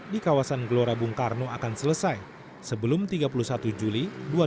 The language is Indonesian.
di kawasan gelora bung karno akan selesai sebelum tiga puluh satu juli dua ribu dua puluh